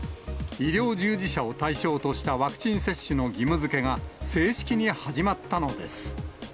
医療従事者を対象としたワクチン接種の義務づけが、正式に始まったのです。